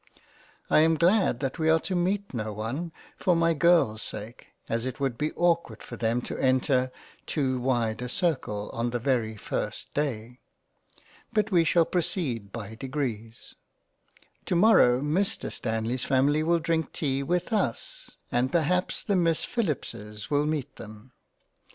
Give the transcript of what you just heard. I am glad that we are to meet no one, for my Girls sake, as it would be awkward for them to enter too wide a Circle on the very first day. But we shall proceed by degrees. — Tomorrow Mr Stanly's family will drink tea with us, and perhaps the Miss Phillips's will meet them.